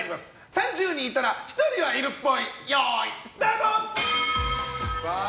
３０人いたら１人はいるっぽいよーい、スタート！